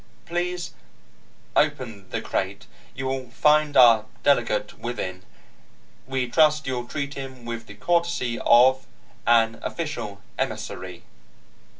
"Please open the crate. You will find our delegate within. We trust you will treat him with the courtesy of an official emissary."